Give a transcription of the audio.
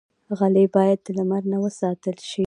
غلۍ باید د لمر نه وساتل شي.